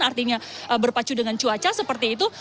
artinya berpacu dengan cuaca seperti itu